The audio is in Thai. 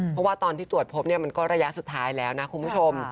เพราะว่าตอนที่ตรวจพบเนี่ยมันก็ระยะสุดท้ายแล้วนะคุณผู้ชม